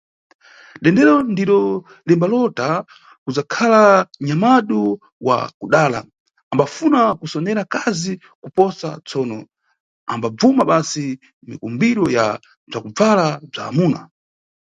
Dendero, ndiro limbalota kudzakhala nyamadu wa kudala, ambafuna kusonera akazi kuposa, tsono ambabvuma basi mikumbiro ya bzwakubvala bzwa amuna.